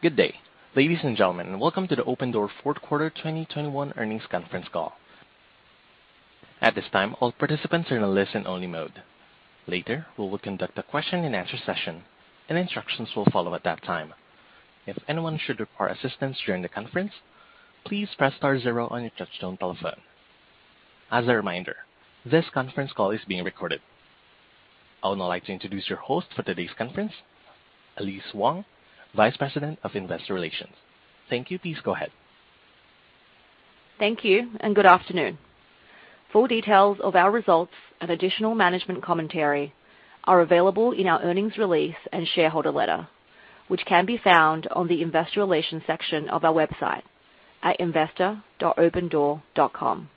Good day, ladies and gentlemen, and welcome to the Opendoor fourth quarter 2021 earnings conference call. At this time, all participants are in listen only mode. Later, we will conduct a question and answer session and instructions will follow at that time. If anyone should require assistance during the conference, please press star zero on your touchtone telephone. As a reminder, this conference call is being recorded. I would now like to introduce your host for today's conference, Elise Wang, Vice President of Investor Relations. Thank you. Please go ahead. Thank you and good afternoon. Full details of our results and additional management commentary are available in our earnings release and shareholder letter, which can be found on the investor relations section of our website at investor.opendoor.com.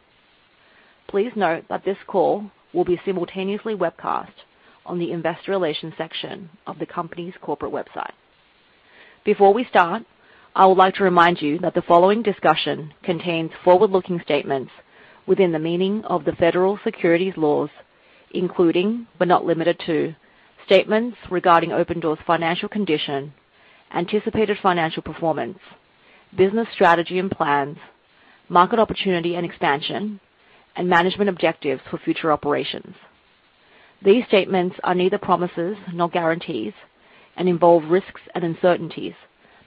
Please note that this call will be simultaneously webcast on the investor relations section of the company's corporate website. Before we start, I would like to remind you that the following discussion contains forward-looking statements within the meaning of the federal securities laws, including but not limited to, statements regarding Opendoor's financial condition, anticipated financial performance, business strategy and plans, market opportunity and expansion, and management objectives for future operations. These statements are neither promises nor guarantees and involve risks and uncertainties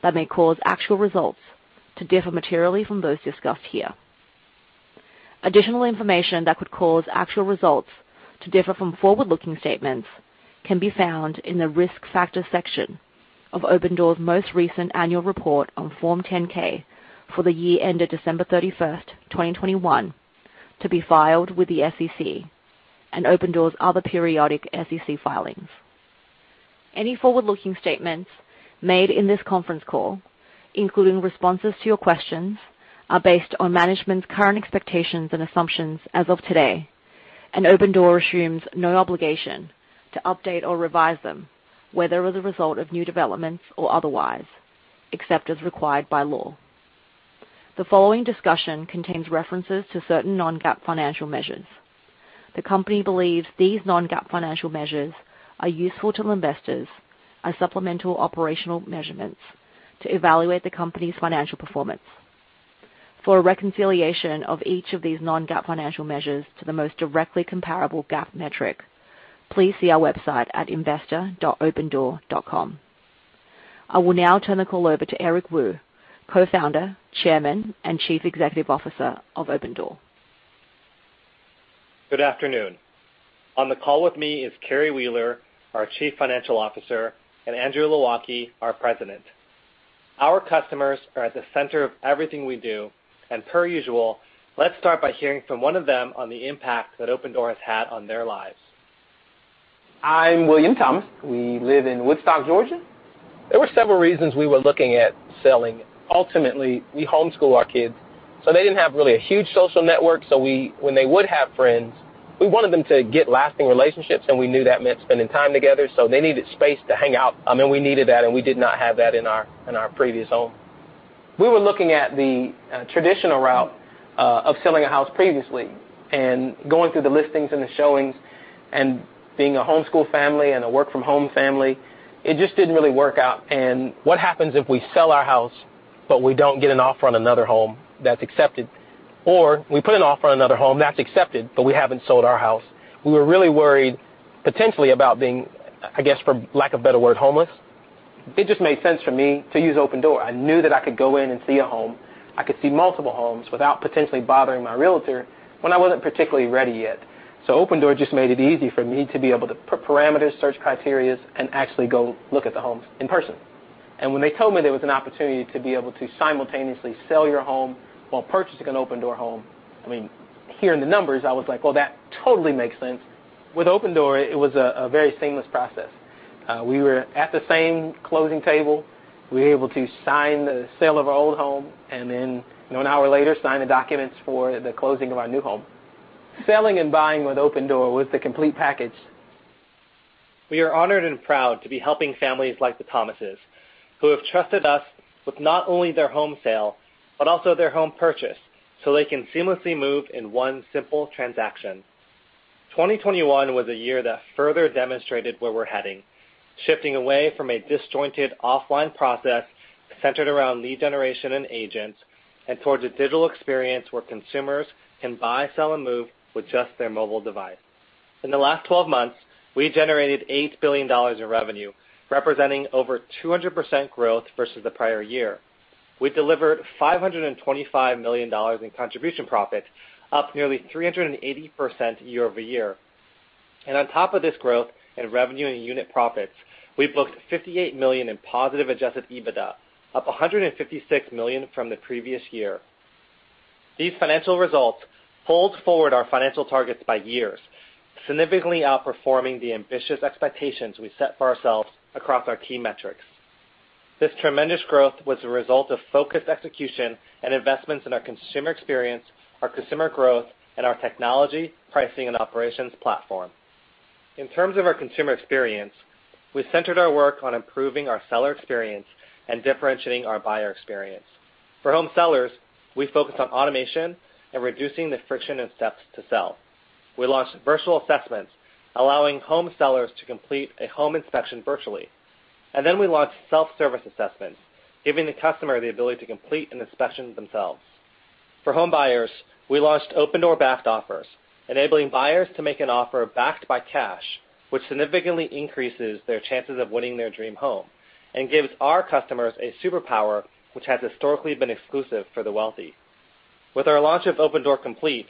that may cause actual results to differ materially from those discussed here. Additional information that could cause actual results to differ from forward-looking statements can be found in the Risk Factors section of Opendoor's most recent annual report on Form 10-K for the year ended December 31st, 2021, to be filed with the SEC and Opendoor's other periodic SEC filings. Any forward-looking statements made in this conference call, including responses to your questions, are based on management's current expectations and assumptions as of today, and Opendoor assumes no obligation to update or revise them, whether as a result of new developments or otherwise, except as required by law. The following discussion contains references to certain non-GAAP financial measures. The company believes these non-GAAP financial measures are useful to investors as supplemental operational measurements to evaluate the company's financial performance. For a reconciliation of each of these non-GAAP financial measures to the most directly comparable GAAP metric, please see our website at investor.opendoor.com. I will now turn the call over to Eric Wu, Co-Founder, Chairman, and Chief Executive Officer of Opendoor. Good afternoon. On the call with me is Carrie Wheeler, our Chief Financial Officer, and Andrew Low Ah Kee, our President. Our customers are at the center of everything we do, and per usual, let's start by hearing from one of them on the impact that Opendoor has had on their lives. I'm William Thomas. We live in Woodstock, Georgia. There were several reasons we were looking at selling. Ultimately, we homeschool our kids, so they didn't have really a huge social network. So when they would have friends, we wanted them to get lasting relationships, and we knew that meant spending time together, so they needed space to hang out. I mean, we needed that, and we did not have that in our previous home. We were looking at the traditional route of selling a house previously. Going through the listings and the showings and being a homeschool family and a work from home family, it just didn't really work out. What happens if we sell our house, but we don't get an offer on another home that's accepted, or we put an offer on another home that's accepted, but we haven't sold our house? We were really worried potentially about being, I guess for lack of better word, homeless. It just made sense for me to use Opendoor. I knew that I could go in and see a home. I could see multiple homes without potentially bothering my realtor when I wasn't particularly ready yet. Opendoor just made it easy for me to be able to put parameters, search criteria, and actually go look at the homes in person. When they told me there was an opportunity to be able to simultaneously sell your home while purchasing an Opendoor home, I mean, hearing the numbers, I was like, "Well, that totally makes sense." With Opendoor, it was a very seamless process. We were at the same closing table. We were able to sign the sale of our old home and then an hour later sign the documents for the closing of our new home. Selling and buying with Opendoor was the complete package. We are honored and proud to be helping families like the Thomas' who have trusted us with not only their home sale but also their home purchase, so they can seamlessly move in one simple transaction. 2021 was a year that further demonstrated where we're heading, shifting away from a disjointed offline process centered around lead generation and agents, and towards a digital experience where consumers can buy, sell, and move with just their mobile device. In the last 12 months, we generated $8 billion in revenue, representing over 200% growth versus the prior year. We delivered $525 million in contribution profit, up nearly 380% year-over-year. On top of this growth in revenue and unit profits, we booked $58 million in positive adjusted EBITDA, up $156 million from the previous year. These financial results pulled forward our financial targets by years, significantly outperforming the ambitious expectations we set for ourselves across our key metrics. This tremendous growth was a result of focused execution and investments in our consumer experience, our consumer growth, and our technology, pricing, and operations platform. In terms of our consumer experience, we centered our work on improving our seller experience and differentiating our buyer experience. For home sellers, we focused on automation and reducing the friction and steps to sell. We launched virtual assessments, allowing home sellers to complete a home inspection virtually. Then we launched self-service assessments, giving the customer the ability to complete an inspection themselves. For home buyers, we launched Opendoor Backed Offers, enabling buyers to make an offer backed by cash, which significantly increases their chances of winning their dream home and gives our customers a superpower which has historically been exclusive for the wealthy. With our launch of Opendoor Complete,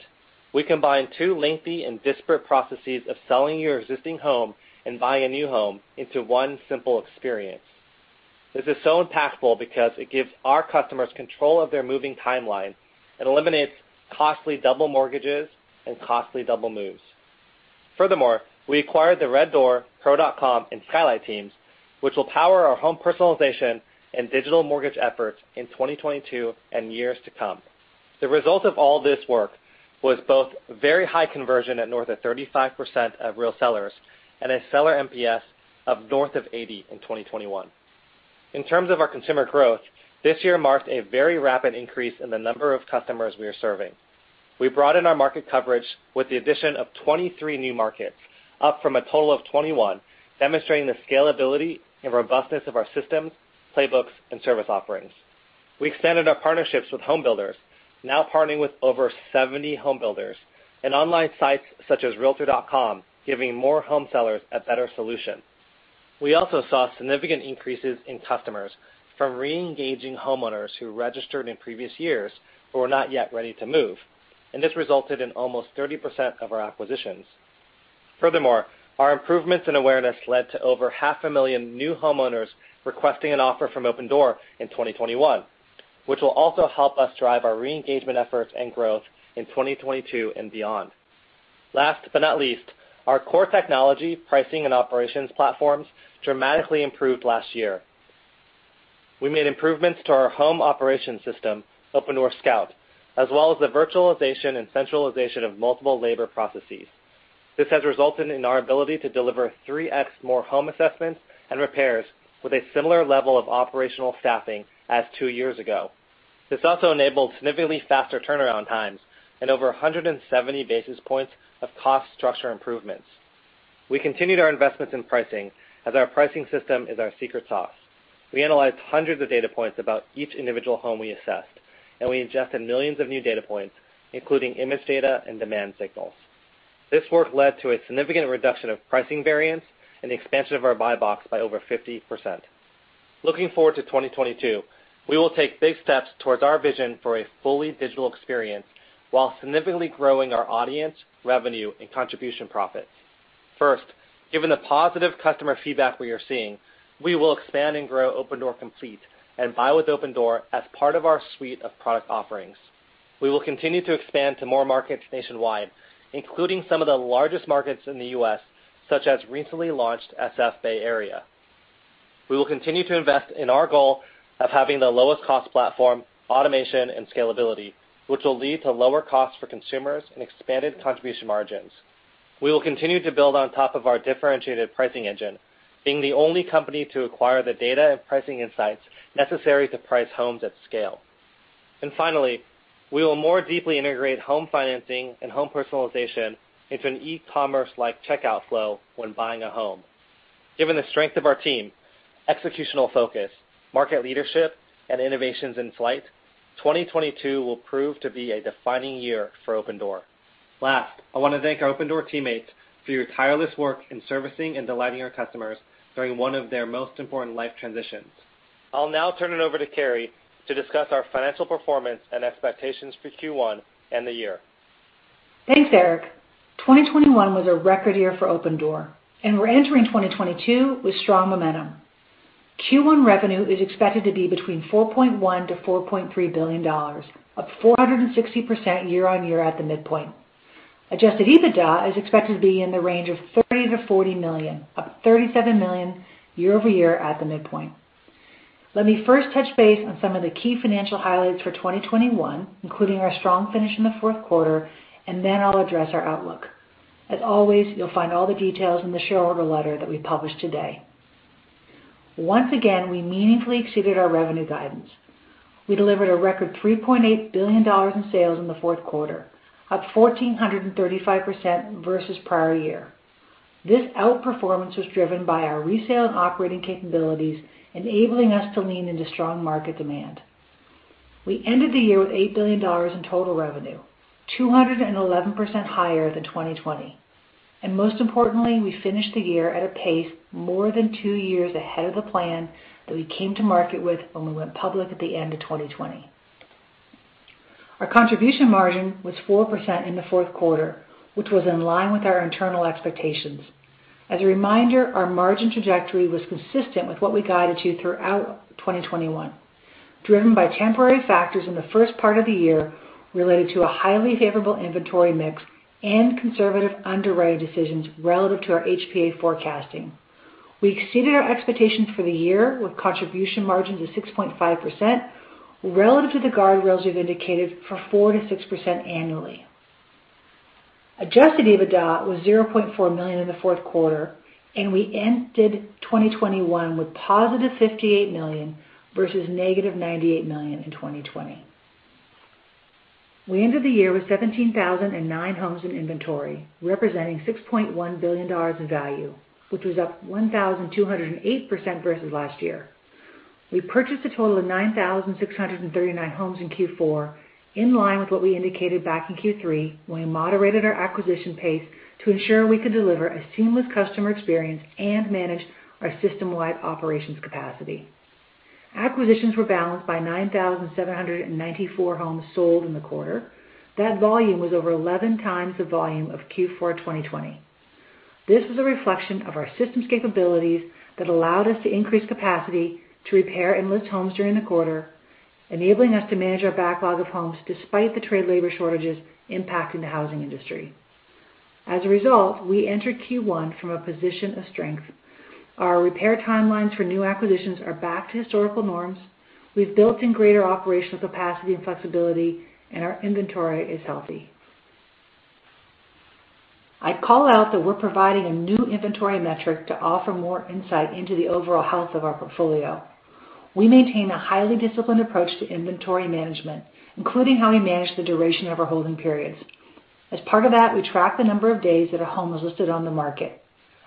we combine two lengthy and disparate processes of selling your existing home and buying a new home into one simple experience. This is so impactful because it gives our customers control of their moving timeline. It eliminates costly double mortgages and costly double moves. Furthermore, we acquired RedDoor, Pro.com, and Skylight, which will power our home personalization and digital mortgage efforts in 2022 and years to come. The result of all this work was both very high conversion at north of 35% of real sellers and a seller NPS of north of 80 in 2021. In terms of our consumer growth, this year marked a very rapid increase in the number of customers we are serving. We broadened our market coverage with the addition of 23 new markets, up from a total of 21, demonstrating the scalability and robustness of our systems, playbooks, and service offerings. We expanded our partnerships with home builders, now partnering with over 70 home builders and online sites such as realtor.com, giving more home sellers a better solution. We also saw significant increases in customers from re-engaging homeowners who registered in previous years but were not yet ready to move, and this resulted in almost 30% of our acquisitions. Furthermore, our improvements in awareness led to over 500,000 new homeowners requesting an offer from Opendoor in 2021, which will also help us drive our re-engagement efforts and growth in 2022 and beyond. Last but not least, our core technology, pricing, and operations platforms dramatically improved last year. We made improvements to our home operations system, Opendoor Scout, as well as the virtualization and centralization of multiple labor processes. This has resulted in our ability to deliver 3x more home assessments and repairs with a similar level of operational staffing as two years ago. This also enabled significantly faster turnaround times and over 170 basis points of cost structure improvements. We continued our investments in pricing, as our pricing system is our secret sauce. We analyzed hundreds of data points about each individual home we assessed, and we ingested millions of new data points, including image data and demand signals. This work led to a significant reduction of pricing variance and the expansion of our buy box by over 50%. Looking forward to 2022, we will take big steps towards our vision for a fully digital experience while significantly growing our audience, revenue, and contribution profits. First, given the positive customer feedback we are seeing, we will expand and grow Opendoor Complete and Buy with Opendoor as part of our suite of product offerings. We will continue to expand to more markets nationwide, including some of the largest markets in the U.S., such as recently launched SF Bay Area. We will continue to invest in our goal of having the lowest cost platform, automation, and scalability, which will lead to lower costs for consumers and expanded contribution margins. We will continue to build on top of our differentiated pricing engine, being the only company to acquire the data and pricing insights necessary to price homes at scale. Finally, we will more deeply integrate home financing and home personalization into an e-commerce-like checkout flow when buying a home. Given the strength of our team, executional focus, market leadership, and innovations in flight, 2022 will prove to be a defining year for Opendoor. Last, I want to thank our Opendoor teammates for your tireless work in servicing and delighting our customers during one of their most important life transitions. I'll now turn it over to Carrie to discuss our financial performance and expectations for Q1 and the year. Thanks, Eric. 2021 was a record year for Opendoor, and we're entering 2022 with strong momentum. Q1 revenue is expected to be between $4.1 billion-$4.3 billion, up 460% year-on-year at the midpoint. Adjusted EBITDA is expected to be in the range of $30 million-$40 million, up $37 million year-over-year at the midpoint. Let me first touch base on some of the key financial highlights for 2021, including our strong finish in the fourth quarter, and then I'll address our outlook. As always, you'll find all the details in the shareholder letter that we published today. Once again, we meaningfully exceeded our revenue guidance. We delivered a record $3.8 billion in sales in the fourth quarter, up 1,435% versus prior year. This outperformance was driven by our resale and operating capabilities, enabling us to lean into strong market demand. We ended the year with $8 billion in total revenue, 211% higher than 2020. Most importantly, we finished the year at a pace more than two years ahead of the plan that we came to market with when we went public at the end of 2020. Our contribution margin was 4% in the fourth quarter, which was in line with our internal expectations. As a reminder, our margin trajectory was consistent with what we guided you throughout 2021, driven by temporary factors in the first part of the year related to a highly favorable inventory mix and conservative underwriting decisions relative to our HPA forecasting. We exceeded our expectations for the year with contribution margins of 6.5% relative to the guardrails we've indicated for 4%-6% annually. Adjusted EBITDA was $0.4 million in the fourth quarter, and we ended 2021 with +$58 million versus -$98 million in 2020. We ended the year with 17,009 homes in inventory, representing $6.1 billion in value, which was up 1,208% versus last year. We purchased a total of 9,639 homes in Q4, in line with what we indicated back in Q3 when we moderated our acquisition pace to ensure we could deliver a seamless customer experience and manage our system-wide operations capacity. Acquisitions were balanced by 9,794 homes sold in the quarter. That volume was over 11x the volume of Q4 2020. This was a reflection of our systems capabilities that allowed us to increase capacity to repair and list homes during the quarter, enabling us to manage our backlog of homes despite the trade labor shortages impacting the housing industry. As a result, we entered Q1 from a position of strength. Our repair timelines for new acquisitions are back to historical norms. We've built in greater operational capacity and flexibility, and our inventory is healthy. I'd call out that we're providing a new inventory metric to offer more insight into the overall health of our portfolio. We maintain a highly disciplined approach to inventory management, including how we manage the duration of our holding periods. As part of that, we track the number of days that a home is listed on the market.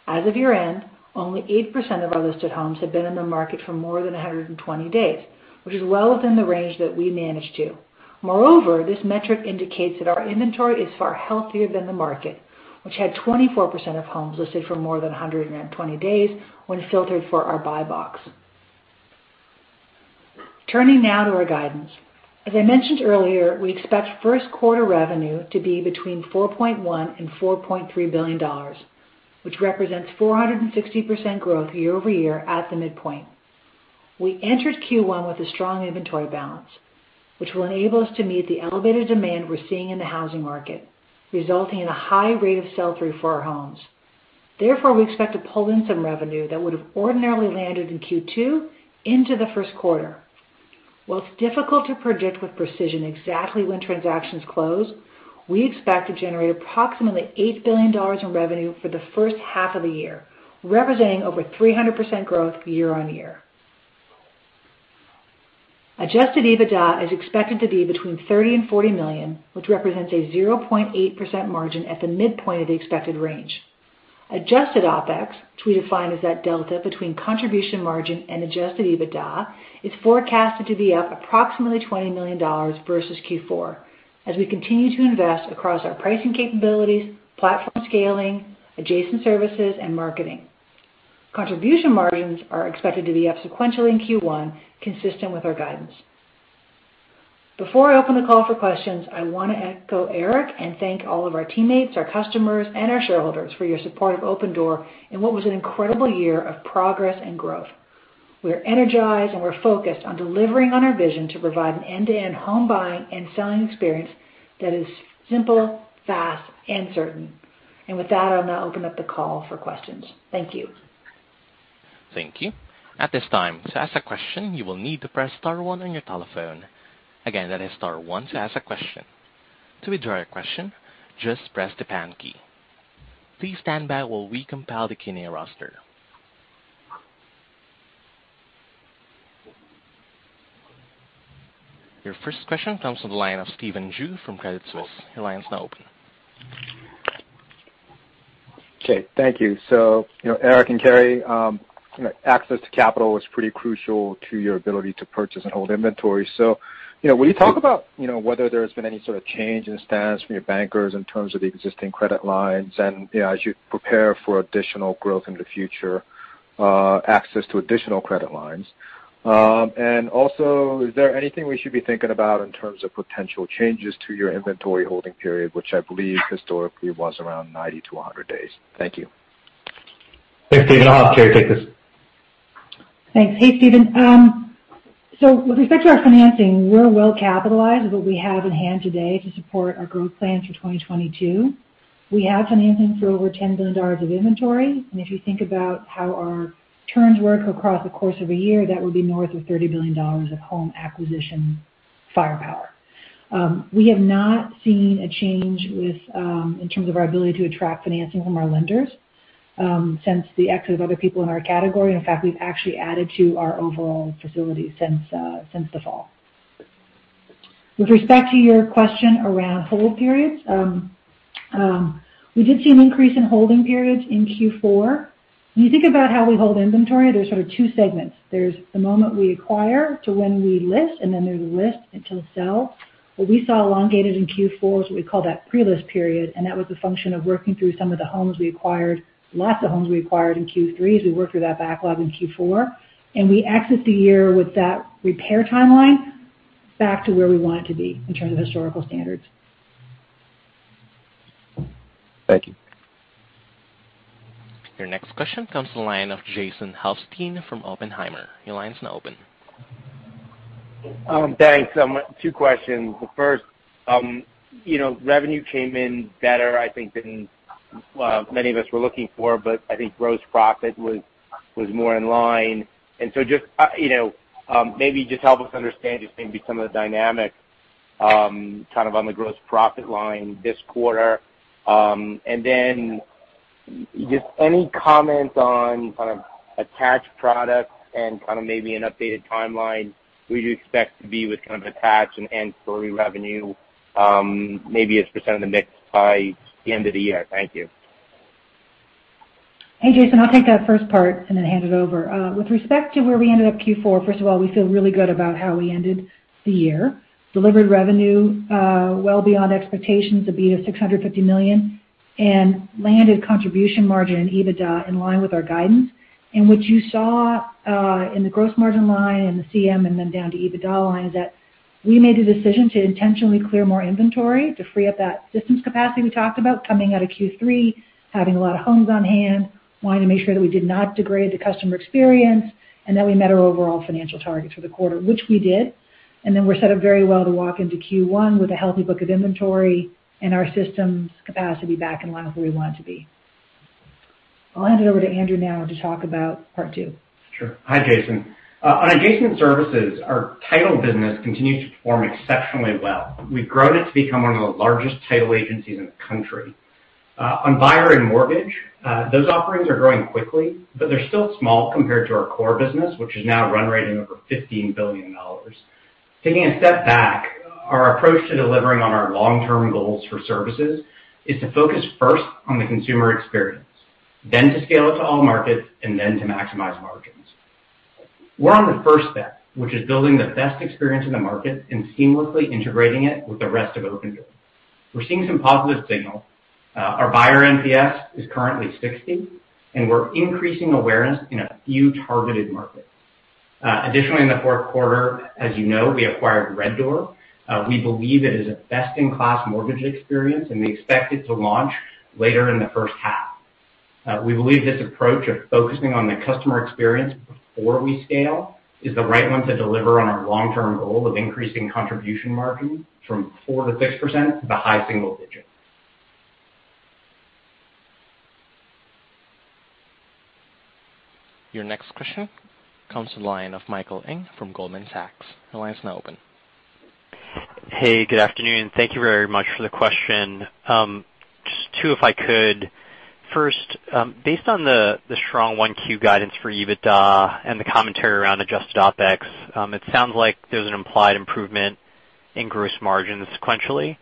As of year-end, only 8% of our listed homes have been on the market for more than 120 days, which is well within the range that we manage to. Moreover, this metric indicates that our inventory is far healthier than the market, which had 24% of homes listed for more than 120 days when filtered for our buy box. Turning now to our guidance. As I mentioned earlier, we expect first quarter revenue to be between $4.1 billion and $4.3 billion, which represents 460% growth year-over-year at the midpoint. We entered Q1 with a strong inventory balance, which will enable us to meet the elevated demand we're seeing in the housing market, resulting in a high rate of sell-through for our homes. Therefore, we expect to pull in some revenue that would have ordinarily landed in Q2 into the first quarter. While it's difficult to predict with precision exactly when transactions close, we expect to generate approximately $8 billion in revenue for the H1 of the year, representing over 300% growth year-on-year. Adjusted EBITDA is expected to be between $30 million and $40 million, which represents a 0.8% margin at the midpoint of the expected range. Adjusted OpEx, which we define as that delta between contribution margin and adjusted EBITDA, is forecasted to be up approximately $20 million versus Q4 as we continue to invest across our pricing capabilities, platform scaling, adjacent services, and marketing. Contribution margins are expected to be up sequentially in Q1, consistent with our guidance. Before I open the call for questions, I want to echo Eric and thank all of our teammates, our customers, and our shareholders for your support of Opendoor in what was an incredible year of progress and growth. We're energized, and we're focused on delivering on our vision to provide an end-to-end home buying and selling experience that is simple, fast, and certain. With that, I'll now open up the call for questions. Thank you. Thank you. At this time, to ask a question, you will need to press star one on your telephone. Again, that is star one to ask a question. To withdraw your question, just press the pound key. Please stand by while we compile the Q&A roster. Your first question comes from the line of Stephen Ju from Credit Suisse. Your line is now open. Okay, thank you. You know, Eric and Carrie, access to capital was pretty crucial to your ability to purchase and hold inventory. You know, will you talk about, you know, whether there's been any sort of change in the stance from your bankers in terms of the existing credit lines and, you know, as you prepare for additional growth in the future, access to additional credit lines. And also, is there anything we should be thinking about in terms of potential changes to your inventory holding period, which I believe historically was around 90-100 days? Thank you. Thanks, Stephen. I'll have Carrie take this. Thanks. Hey, Stephen. With respect to our financing, we're well capitalized with what we have in hand today to support our growth plans for 2022. We have financing for over $10 billion of inventory. If you think about how our terms work across the course of a year, that would be north of $30 billion of home acquisition firepower. We have not seen a change in terms of our ability to attract financing from our lenders since the exit of other people in our category. In fact, we've actually added to our overall facility since the fall. With respect to your question around hold periods, we did see an increase in holding periods in Q4. When you think about how we hold inventory, there's sort of two segments. There's the moment from when we acquire to when we list, and then there's from list to sell. What we saw elongated in Q4 is what we call that pre-list period, and that was a function of working through some of the homes we acquired, lots of homes we acquired in Q3 as we worked through that backlog in Q4. We exit the year with that repair timeline back to where we want it to be in terms of historical standards. Thank you. Your next question comes from the line of Jason Helfstein from Oppenheimer. Your line is now open. Thanks. Two questions. The first, you know, revenue came in better, I think, than many of us were looking for, but I think gross profit was more in line. Just you know, maybe just help us understand just maybe some of the dynamics kind of on the gross profit line this quarter. Then, just any comments on kind of add-on products and kind of maybe an updated timeline would you expect to be with kind of add-on and ancillary revenue, maybe as a % of the mix by the end of the year? Thank you. Hey, Jason. I'll take that first part and then hand it over. With respect to where we ended up Q4, first of all, we feel really good about how we ended the year, delivered revenue well beyond expectations, EBITDA $650 million, and landed contribution margin and EBITDA in line with our guidance. What you saw in the gross margin line and the CM and then down to EBITDA line is that we made a decision to intentionally clear more inventory to free up that systems capacity we talked about coming out of Q3, having a lot of homes on hand, wanting to make sure that we did not degrade the customer experience, and that we met our overall financial targets for the quarter, which we did. We're set up very well to walk into Q1 with a healthy book of inventory and our systems capacity back in line with where we want it to be. I'll hand it over to Andrew now to talk about part two. Sure. Hi, Jason. On adjacent services, our title business continues to perform exceptionally well. We've grown it to become one of the largest title agencies in the country. On buyer and mortgage, those offerings are growing quickly, but they're still small compared to our core business, which is now run rate over $15 billion. Taking a step back, our approach to delivering on our long-term goals for services is to focus first on the consumer experience, then to scale it to all markets, and then to maximize margins. We're on the first step, which is building the best experience in the market and seamlessly integrating it with the rest of Opendoor. We're seeing some positive signals. Our buyer NPS is currently 60, and we're increasing awareness in a few targeted markets. Additionally, in the fourth quarter, as you know, we acquired RedDoor. We believe it is a best-in-class mortgage experience, and we expect it to launch later in the H1. We believe this approach of focusing on the customer experience before we scale is the right one to deliver on our long-term goal of increasing contribution margin from 4%-6% to high single digits%. Your next question comes to the line of Michael Ng from Goldman Sachs. The line is now open. Hey, good afternoon. Thank you very much for the question. Just two, if I could. First, based on the strong 1Q guidance for EBITDA and the commentary around adjusted OpEx, it sounds like there's an implied improvement in gross margins sequentially.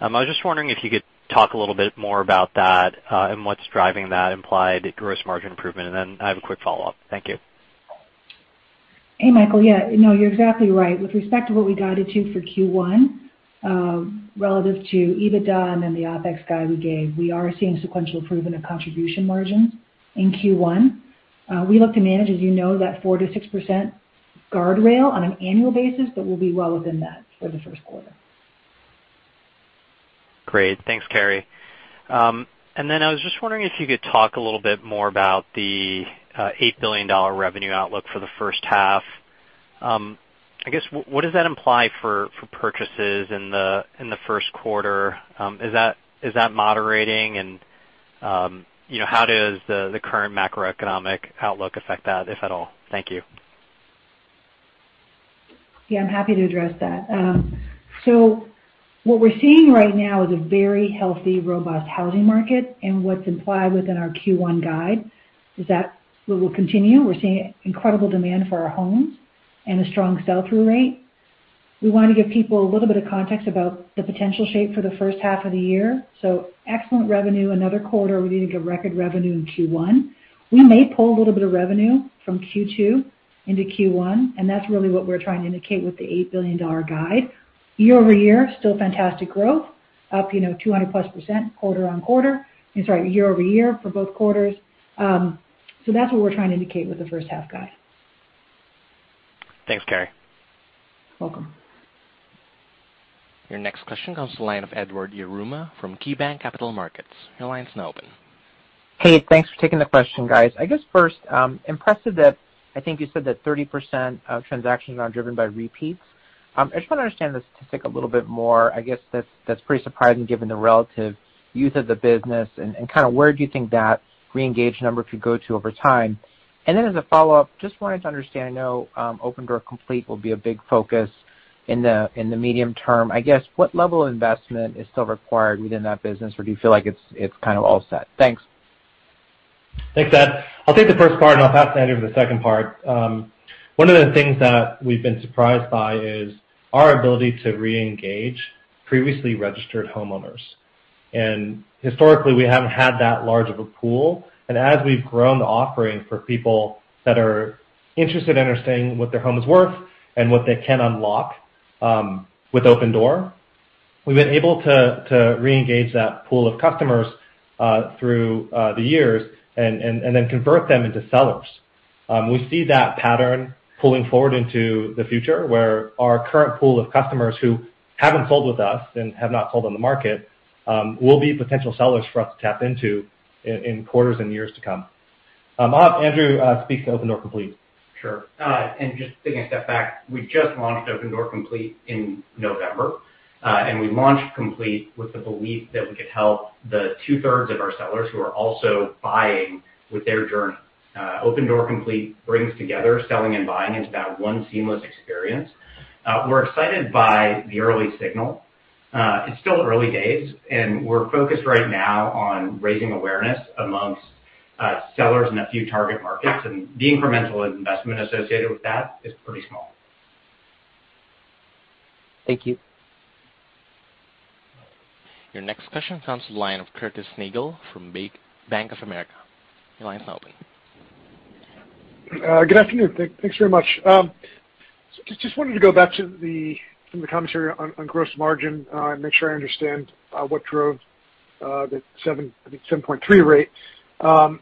I was just wondering if you could talk a little bit more about that, and what's driving that implied gross margin improvement. I have a quick follow-up. Thank you. Hey, Michael. Yeah. No, you're exactly right. With respect to what we guided to for Q1, relative to EBITDA and then the OpEx guide we gave, we are seeing sequential improvement of contribution margins in Q1. We look to manage, as you know, that 4%-6% guardrail on an annual basis, but we'll be well within that for the first quarter. Great. Thanks, Carrie. I was just wondering if you could talk a little bit more about the $8 billion revenue outlook for the H1. I guess, what does that imply for purchases in the first quarter? Is that moderating? You know, how does the current macroeconomic outlook affect that, if at all? Thank you. Yeah, I'm happy to address that. What we're seeing right now is a very healthy, robust housing market, and what's implied within our Q1 guide is that we will continue. We're seeing incredible demand for our homes and a strong sell-through rate. We want to give people a little bit of context about the potential shape for the H1 of the year. Excellent revenue. Another quarter, we're leading to record revenue in Q1. We may pull a little bit of revenue from Q2 into Q1, and that's really what we're trying to indicate with the $8 billion guide. Year-over-year, still fantastic growth, up, you know, 200+% quarter-over-quarter. I'm sorry, year-over-year for both quarters. That's what we're trying to indicate with the H1 guide. Thanks, Carrie. Welcome. Your next question comes to the line of Edward Yruma from KeyBanc Capital Markets. Your line is now open. Hey, thanks for taking the question, guys. I guess first, impressed that I think you said that 30% of transactions are driven by repeats. I just want to understand the statistic a little bit more. I guess that's pretty surprising given the relative youth of the business and kind of where do you think that reengage number could go to over time? As a follow-up, just wanted to understand, I know, Opendoor Complete will be a big focus in the medium term. I guess, what level of investment is still required within that business, or do you feel like it's kind of all set? Thanks. Thanks, Ed. I'll take the first part, and I'll pass to Andrew for the second part. One of the things that we've been surprised by is our ability to reengage previously registered homeowners. Historically, we haven't had that large of a pool. As we've grown the offering for people that are interested in understanding what their home is worth and what they can unlock with Opendoor, we've been able to reengage that pool of customers through the years and then convert them into sellers. We see that pattern pulling forward into the future, where our current pool of customers who haven't sold with us and have not sold on the market will be potential sellers for us to tap into in quarters and years to come. I'll have Andrew speak to Opendoor Complete. Sure. Just taking a step back, we just launched Opendoor Complete in November. We launched Complete with the belief that we could help the two-thirds of our sellers who are also buying with their journey. Opendoor Complete brings together selling and buying into that one seamless experience. We're excited by the early signal. It's still early days, and we're focused right now on raising awareness among sellers in a few target markets, and the incremental investment associated with that is pretty small. Thank you. Your next question comes from the line of Curtis Nagle from Bank of America. Your line is now open. Good afternoon. Thanks very much. Just wanted to go back to the commentary on gross margin and make sure I understand what drove the 7.3% rate, I think.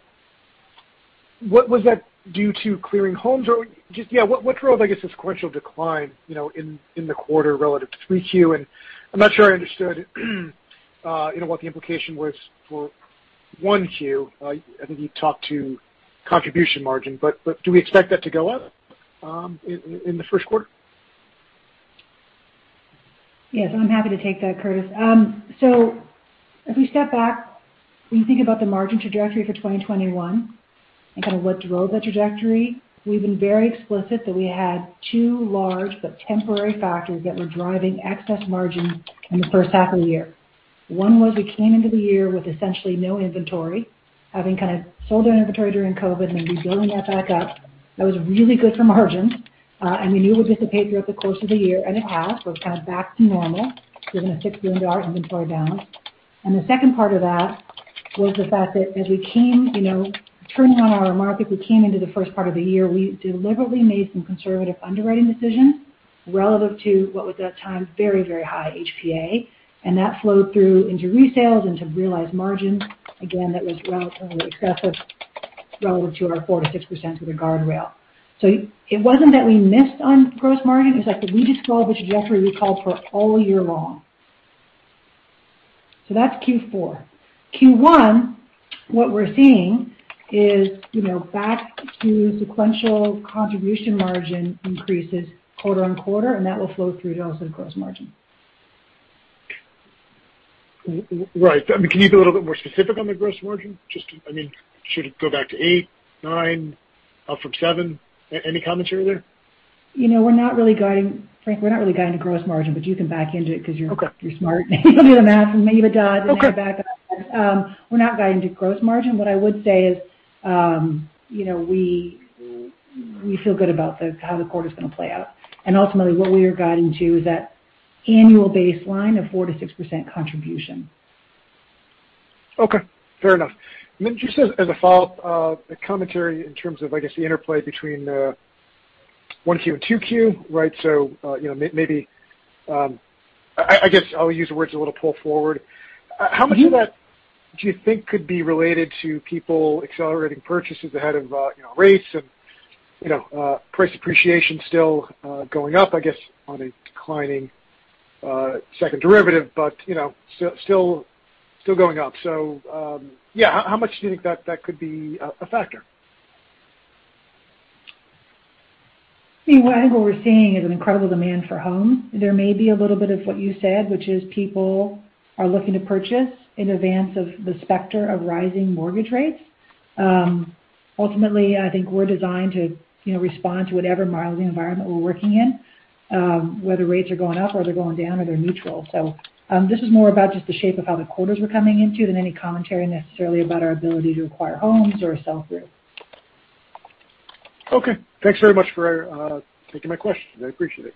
What was that due to clearing homes? Or just what drove, I guess, the sequential decline, you know, in the quarter relative to 3Q? I'm not sure I understood, you know, what the implication was for 1Q. I think you talked to contribution margin, but do we expect that to go up in the first quarter? Yes, I'm happy to take that, Curtis. If you step back and you think about the margin trajectory for 2021 and kind of what drove the trajectory, we've been very explicit that we had two large but temporary factors that were driving excess margin in the H1 of the year. One was we came into the year with essentially no inventory, having kind of sold our inventory during COVID and rebuilding that back up. That was really good for margin, and we knew it would dissipate throughout the course of the year, and it has. We're kind of back to normal. We're gonna stick to our inventory balance. The second part of that was the fact that as we came, you know, turning on our markets, we came into the first part of the year. We deliberately made some conservative underwriting decisions relative to what was, at the time, very, very high HPA. That flowed through into resales, into realized margins. Again, that was relatively aggressive relative to our 4%-6% with a guardrail. It wasn't that we missed on gross margin. It's like that we just followed the trajectory we called for all year long. That's Q4. Q1, what we're seeing is, you know, back to sequential contribution margin increases quarter-over-quarter, and that will flow through to also gross margin. Right. I mean, can you be a little bit more specific on the gross margin? Just, I mean, should it go back to 8%, 9% from 7%? Any comments here or there? You know, we're not really guiding to gross margin, Frank, but you can back into it 'cause you're- Okay. You're smart. You can do the math. Okay. Back up. We're not guiding to gross margin. What I would say is, you know, we feel good about how the quarter's gonna play out. Ultimately what we are guiding to is that annual baseline of 4%-6% contribution. Okay, fair enough. Then just as a follow-up, commentary in terms of, I guess, the interplay between 1Q and 2Q, right? You know, maybe I guess I'll use the words a little pull forward. Mm-hmm. How much of that do you think could be related to people accelerating purchases ahead of, you know, rates and, you know, price appreciation still going up, I guess, on a declining second derivative, but, you know, still going up? Yeah, how much do you think that could be a factor? I think what we're seeing is an incredible demand for homes. There may be a little bit of what you said, which is people are looking to purchase in advance of the specter of rising mortgage rates. Ultimately, I think we're designed to, you know, respond to whatever market environment we're working in, whether rates are going up or they're going down or they're neutral. This is more about just the shape of how the quarters we're coming into than any commentary necessarily about our ability to acquire homes or sell through. Okay. Thanks very much for taking my question. I appreciate it.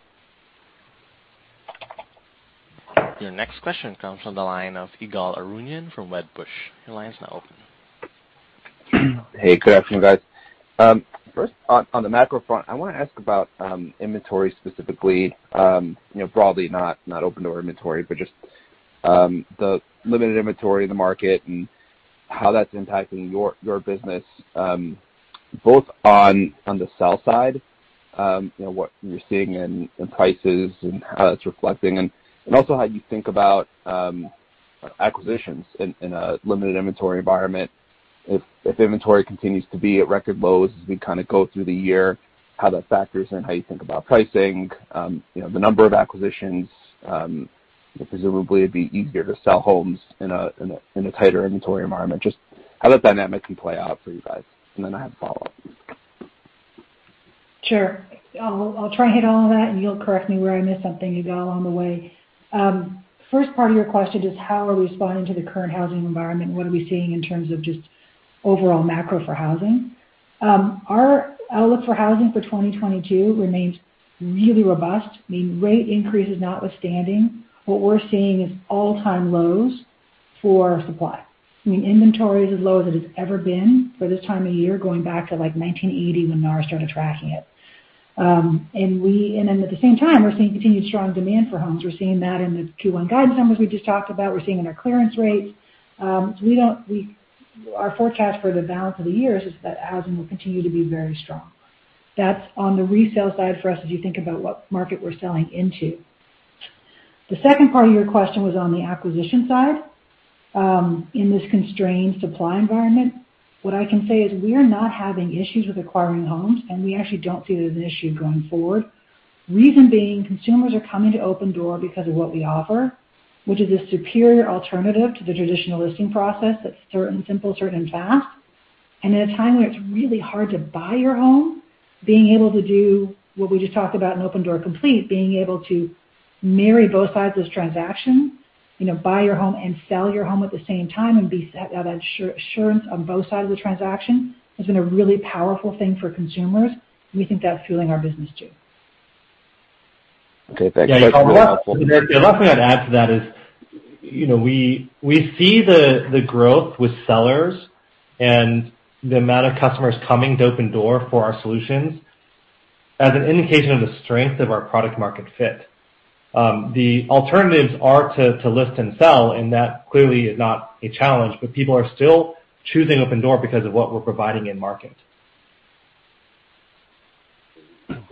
Your next question comes from the line of Ygal Arounian from Wedbush. Your line is now open. Hey, good afternoon, guys. First on the macro front, I wanna ask about inventory specifically, you know, broadly not Opendoor inventory, but just the limited inventory in the market and how that's impacting your business, both on the sell side, you know, what you're seeing in prices and how that's reflecting and also how you think about acquisitions in a limited inventory environment. If inventory continues to be at record lows as we kinda go through the year, how that factors in how you think about pricing, you know, the number of acquisitions, presumably it'd be easier to sell homes in a tighter inventory environment. Just how that dynamic can play out for you guys. I have a follow-up. Sure. I'll try and hit all of that, and you'll correct me where I missed something, Yigal, along the way. First part of your question is how are we responding to the current housing environment and what are we seeing in terms of just overall macro for housing? Our outlook for housing for 2022 remains really robust. I mean, rate increases notwithstanding, what we're seeing is all-time lows for supply. I mean, inventory is as low as it has ever been for this time of year, going back to, like, 1980 when NAR started tracking it. At the same time, we're seeing continued strong demand for homes. We're seeing that in the Q1 guidance numbers we just talked about. We're seeing it in our clearance rates. Our forecast for the balance of the years is that housing will continue to be very strong. That's on the resale side for us as you think about what market we're selling into. The second part of your question was on the acquisition side. In this constrained supply environment, what I can say is we're not having issues with acquiring homes, and we actually don't see it as an issue going forward. Reason being, consumers are coming to Opendoor because of what we offer, which is a superior alternative to the traditional listing process that's certain, simple, and fast. In a time where it's really hard to buy your home, being able to do what we just talked about in Opendoor Complete, being able to marry both sides of this transaction, you know, buy your home and sell your home at the same time and have that assurance on both sides of the transaction has been a really powerful thing for consumers. We think that's fueling our business too. Okay. Thanks. The last thing I'd add to that is, you know, we see the growth with sellers and the amount of customers coming to Opendoor for our solutions as an indication of the strength of our product market fit. The alternatives are to list and sell, and that clearly is not a challenge, but people are still choosing Opendoor because of what we're providing in market.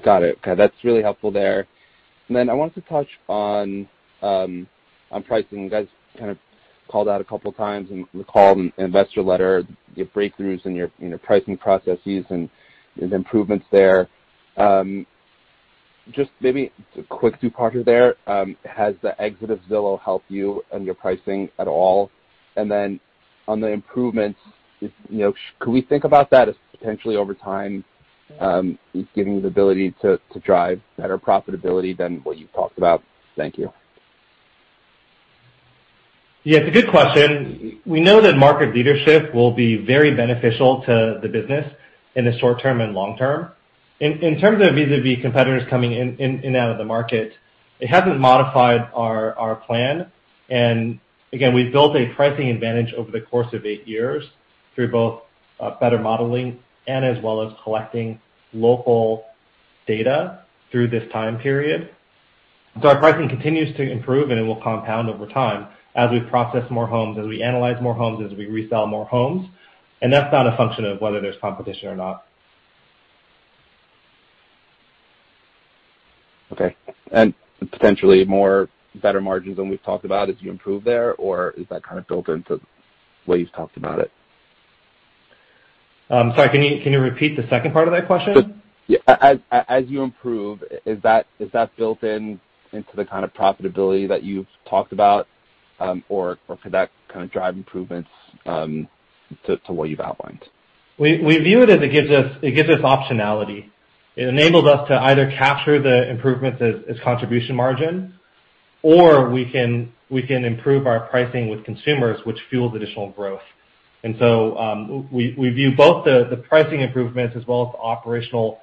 Got it. Okay. That's really helpful there. I wanted to touch on on pricing. You guys kind of called out a couple of times in the call, in investor letter, your breakthroughs in your pricing processes and the improvements there. Just maybe a quick departure there, has the exit of Zillow helped you and your pricing at all? On the improvements, is you know can we think about that as potentially over time giving you the ability to drive better profitability than what you've talked about? Thank you. Yeah, it's a good question. We know that market leadership will be very beneficial to the business in the short term and long term. In terms of vis-à-vis competitors coming in and out of the market, it hasn't modified our plan. Again, we've built a pricing advantage over the course of eight years through both better modeling and as well as collecting local data through this time period. Our pricing continues to improve, and it will compound over time as we process more homes, as we analyze more homes, as we resell more homes. That's not a function of whether there's competition or not. Okay. Potentially more better margins than we've talked about as you improve there? Or is that kind of built into the way you've talked about it? Sorry, can you repeat the second part of that question? Just, yeah. As you improve, is that built in into the kind of profitability that you've talked about, or could that kind of drive improvements to what you've outlined? We view it as it gives us optionality. It enables us to either capture the improvements as contribution margin, or we can improve our pricing with consumers, which fuels additional growth. We view both the pricing improvements as well as the operational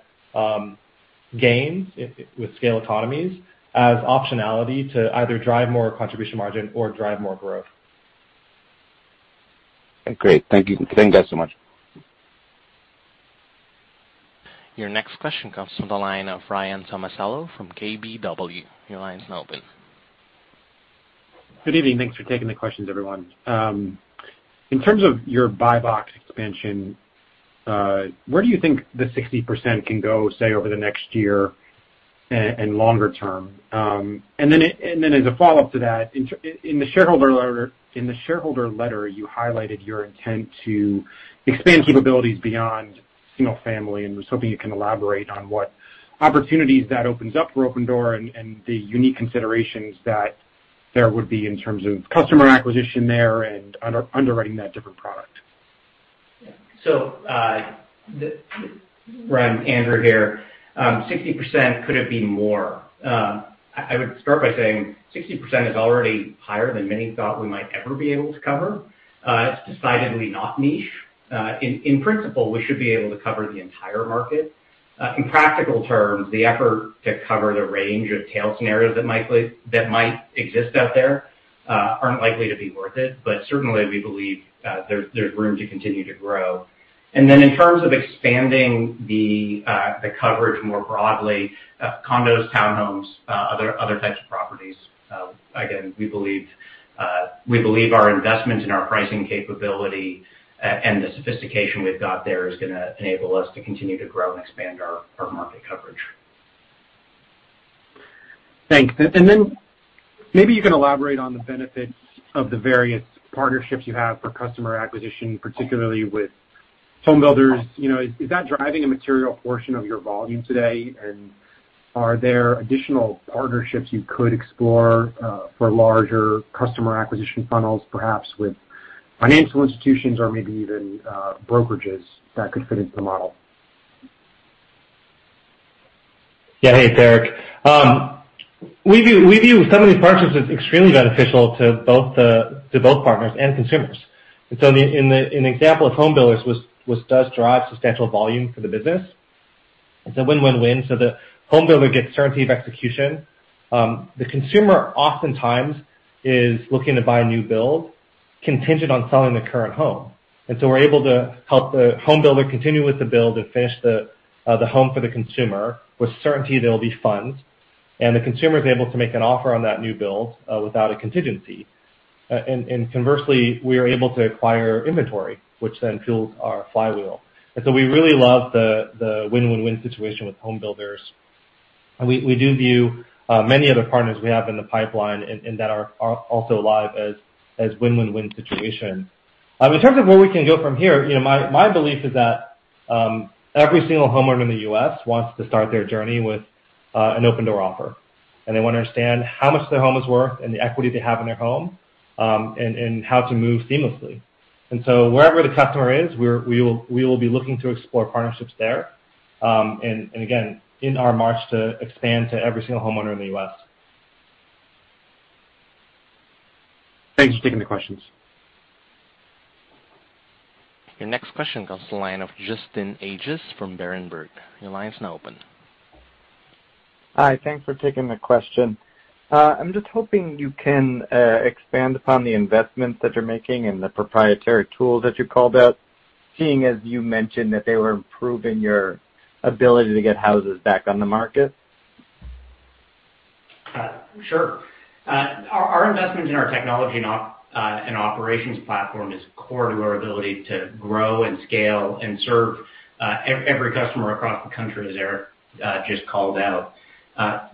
gains with scale economies as optionality to either drive more contribution margin or drive more growth. Great. Thank you. Thank you, guys, so much. Your next question comes from the line of Ryan Tomasello from KBW. Your line is now open. Good evening. Thanks for taking the questions, everyone. In terms of your buy box expansion, where do you think the 60% can go, say, over the next year and longer term? As a follow-up to that, in the shareholder letter, you highlighted your intent to expand capabilities beyond single family, and I was hoping you can elaborate on what opportunities that opens up for Opendoor and the unique considerations that there would be in terms of customer acquisition there and underwriting that different product. Ryan, Andrew here. 60% could have been more. I would start by saying 60% is already higher than many thought we might ever be able to cover. It's decidedly not niche. In principle, we should be able to cover the entire market. In practical terms, the effort to cover the range of tail scenarios that might exist out there aren't likely to be worth it. But certainly, we believe there's room to continue to grow. In terms of expanding the coverage more broadly, condos, townhomes, other types of properties, again, we believe our investment in our pricing capability and the sophistication we've got there is gonna enable us to continue to grow and expand our market coverage. Thanks. Then maybe you can elaborate on the benefits of the various partnerships you have for customer acquisition, particularly with home builders. You know, is that driving a material portion of your volume today? Are there additional partnerships you could explore for larger customer acquisition funnels, perhaps with financial institutions or maybe even brokerages that could fit into the model? Yeah. Hey, it's Eric. We view some of these partnerships as extremely beneficial to both partners and consumers. An example of home builders does drive substantial volume for the business. It's a win-win-win, so the home builder gets certainty of execution. The consumer oftentimes is looking to buy a new build contingent on selling the current home. We're able to help the home builder continue with the build and finish the home for the consumer with certainty there will be funds, and the consumer is able to make an offer on that new build without a contingency. Conversely, we are able to acquire inventory, which then fuels our flywheel. We really love the win-win-win situation with home builders. We do view many of the partners we have in the pipeline and that are also live as a win-win-win situation. In terms of where we can go from here, you know, my belief is that every single homeowner in the U.S. wants to start their journey with an Opendoor offer, and they want to understand how much their home is worth and the equity they have in their home, and how to move seamlessly. Wherever the customer is, we will be looking to explore partnerships there. Again, in our march to expand to every single homeowner in the U.S. Thanks for taking the questions. Your next question comes from the line of Justin Ages from Berenberg. Your line is now open. Hi. Thanks for taking the question. I'm just hoping you can expand upon the investments that you're making and the proprietary tools that you called out, seeing as you mentioned that they were improving your ability to get houses back on the market. Sure. Our investment in our technology and operations platform is core to our ability to grow and scale and serve every customer across the country, as Eric just called out.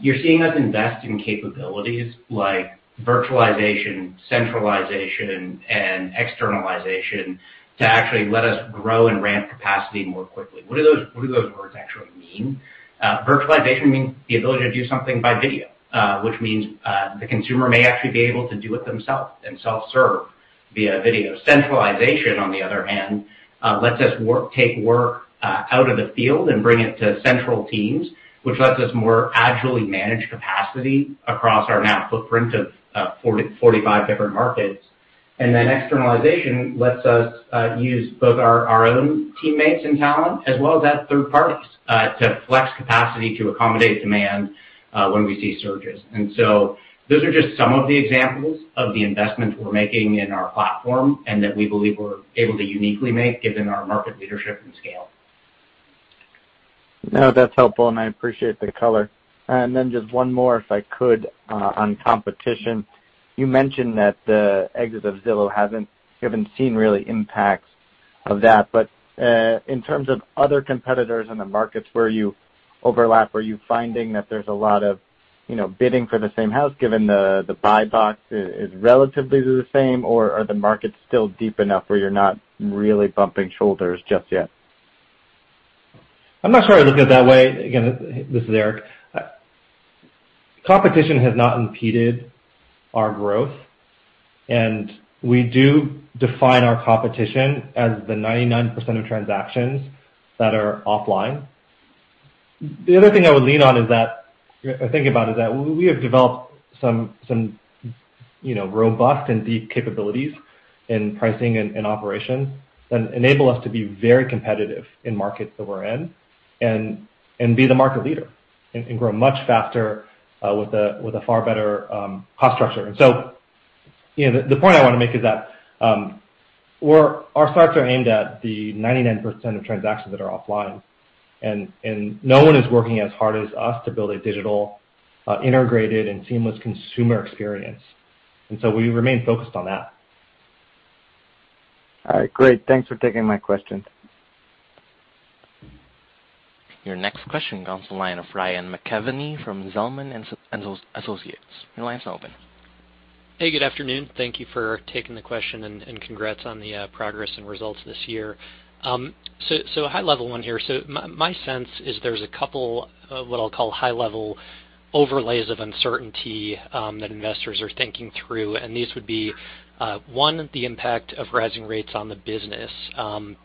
You're seeing us invest in capabilities like virtualization, centralization, and externalization to actually let us grow and ramp capacity more quickly. What do those words actually mean? Virtualization means the ability to do something by video, which means the consumer may actually be able to do it themselves and self-serve via video. Centralization, on the other hand, lets us take work out of the field and bring it to central teams, which lets us more agilely manage capacity across our national footprint of 45 different markets. Externalization lets us use both our own teammates and talent as well as that of third parties to flex capacity to accommodate demand when we see surges. Those are just some of the examples of the investments we're making in our platform and that we believe we're able to uniquely make given our market leadership and scale. No, that's helpful, and I appreciate the color. Just one more, if I could, on competition. You mentioned that the exit of Zillow, you haven't seen real impact of that. In terms of other competitors in the markets where you overlap, are you finding that there's a lot of, you know, bidding for the same house given the buy box is relatively the same, or are the markets still deep enough where you're not really bumping shoulders just yet? I'm not sure I look at it that way. Again, this is Eric. Competition has not impeded our growth, and we do define our competition as the 99% of transactions that are offline. The other thing I would lean on is that or think about is that we have developed some you know robust and deep capabilities in pricing and operations that enable us to be very competitive in markets that we're in and be the market leader and grow much faster with a far better cost structure. You know, the point I want to make is that we're our sights are aimed at the 99% of transactions that are offline, and no one is working as hard as us to build a digital integrated and seamless consumer experience. We remain focused on that. All right. Great. Thanks for taking my questions. Your next question comes from the line of Ryan McKeveny from Zelman & Associates. Your line is now open. Hey. Good afternoon. Thank you for taking the question and congrats on the progress and results this year. A high-level one here. My sense is there's a couple of what I'll call high-level overlays of uncertainty that investors are thinking through, and these would be one, the impact of rising rates on the business.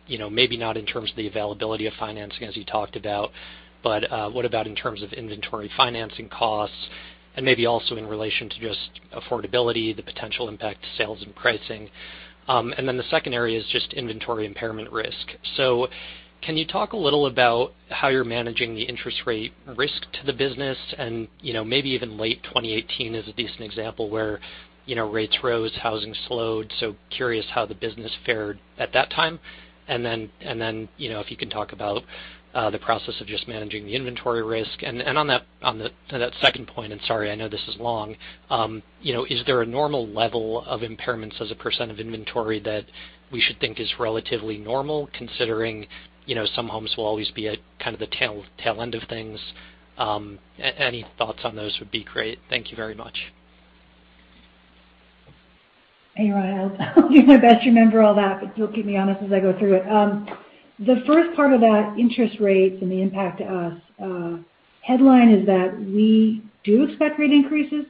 You know, maybe not in terms of the availability of financing as you talked about, but what about in terms of inventory financing costs and maybe also in relation to just affordability, the potential impact to sales and pricing. The second area is just inventory impairment risk. Can you talk a little about how you're managing the interest rate risk to the business and you know, maybe even late 2018 as at least an example where you know, rates rose, housing slowed. Curious how the business fared at that time. You know, if you can talk about the process of just managing the inventory risk. On that to that second point, sorry, I know this is long, you know, is there a normal level of impairments as a percent of inventory that we should think is relatively normal considering, you know, some homes will always be at kind of the tail end of things? Any thoughts on those would be great. Thank you very much. Hey, Ryan. I'll do my best to remember all that, but you'll keep me honest as I go through it. The first part of that interest rates and the impact to us, headline is that we do expect rate increases,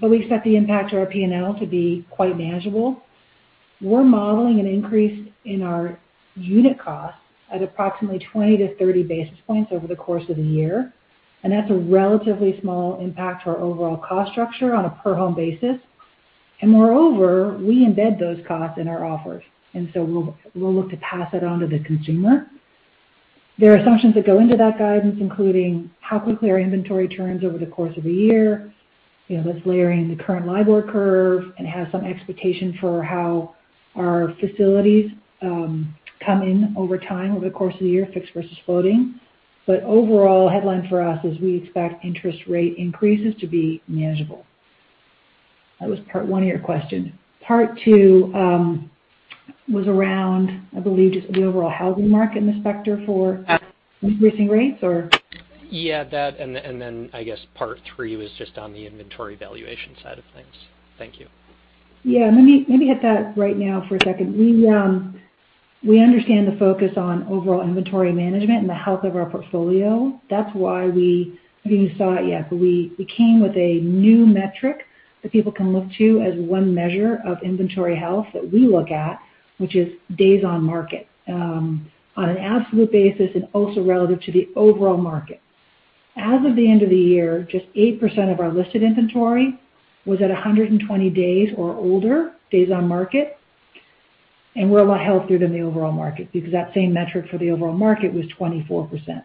but we expect the impact to our P&L to be quite manageable. We're modeling an increase in our unit costs at approximately 20-30 basis points over the course of the year, and that's a relatively small impact to our overall cost structure on a per home basis. Moreover, we embed those costs in our offers, and so we'll look to pass that on to the consumer. There are assumptions that go into that guidance, including how quickly our inventory turns over the course of a year. You know, that's layering the current LIBOR curve and has some expectation for how our facilities come in over time over the course of the year, fixed versus floating. Overall headline for us is we expect interest rate increases to be manageable. That was part one of your question. Part two was around, I believe, just the overall housing market and the specter for increasing rates. Yeah, that and then I guess part three was just on the inventory valuation side of things. Thank you. Yeah, let me hit that right now for a second. We understand the focus on overall inventory management and the health of our portfolio. That's why we maybe you've seen it yet, but we came with a new metric that people can look to as one measure of inventory health that we look at, which is days on market on an absolute basis and also relative to the overall market. As of the end of the year, just 8% of our listed inventory was at 120 days or older days on market, and we're a lot healthier than the overall market because that same metric for the overall market was 24%.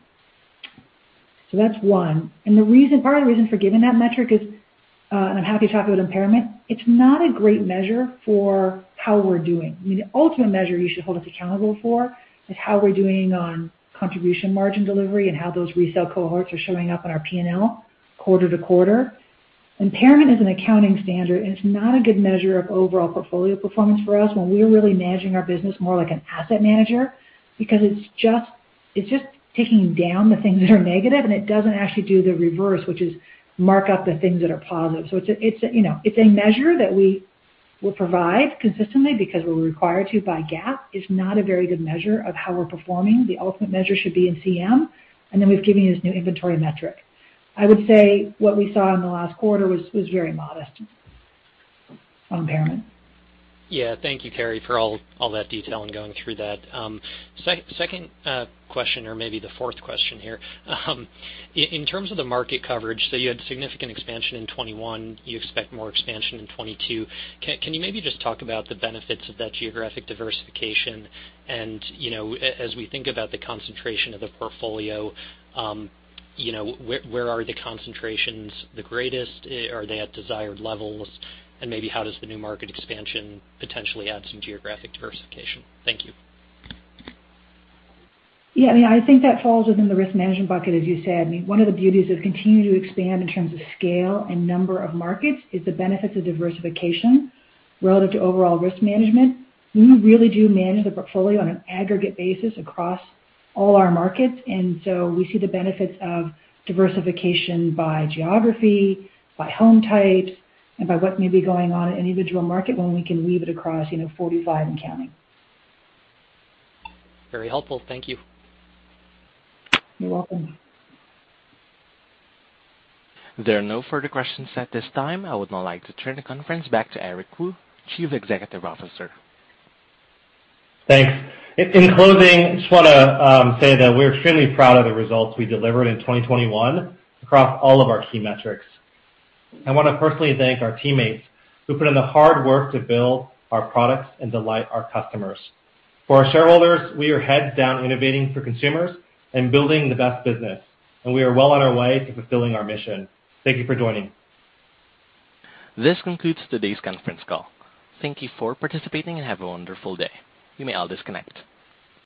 That's one. The reason, part of the reason for giving that metric is, I'm happy to talk about impairment. It's not a great measure for how we're doing. I mean, the ultimate measure you should hold us accountable for is how we're doing on contribution margin delivery and how those resale cohorts are showing up in our P&L quarter to quarter. Impairment is an accounting standard, and it's not a good measure of overall portfolio performance for us when we are really managing our business more like an asset manager, because it's just taking down the things that are negative, and it doesn't actually do the reverse, which is mark up the things that are positive. It's a, you know, it's a measure that we will provide consistently because we're required to by GAAP. It's not a very good measure of how we're performing. The ultimate measure should be in CM, and then we've given you this new inventory metric. I would say what we saw in the last quarter was very modest on impairment. Yeah. Thank you, Carrie, for all that detail and going through that. Second question or maybe the fourth question here. In terms of the market coverage, so you had significant expansion in 2021. You expect more expansion in 2022. Can you maybe just talk about the benefits of that geographic diversification and, you know, as we think about the concentration of the portfolio, you know, where are the concentrations the greatest? Are they at desired levels? Maybe how does the new market expansion potentially add some geographic diversification? Thank you. Yeah. I mean, I think that falls within the risk management bucket, as you said. I mean, one of the beauties of continuing to expand in terms of scale and number of markets is the benefits of diversification relative to overall risk management. We really do manage the portfolio on an aggregate basis across all our markets, and so we see the benefits of diversification by geography, by home type, and by what may be going on in any individual market when we can weave it across, you know, 45 and counting. Very helpful. Thank you. You're welcome. There are no further questions at this time. I would now like to turn the conference back to Eric Wu, Chief Executive Officer. Thanks. In closing, I just wanna say that we're extremely proud of the results we delivered in 2021 across all of our key metrics. I wanna personally thank our teammates who put in the hard work to build our products and delight our customers. For our shareholders, we are head down innovating for consumers and building the best business, and we are well on our way to fulfilling our mission. Thank you for joining. This concludes today's conference call. Thank you for participating and have a wonderful day. You may all disconnect.